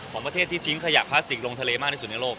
ของประเทศที่ทิ้งขยะพลาสติกลงทะเลมากที่สุดในโลก